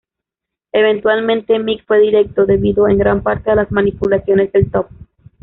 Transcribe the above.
Eventualmente, Mick fue directo, debido en gran parte a las manipulaciones del Top.